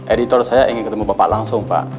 editor saya ingin ketemu bapak langsung pak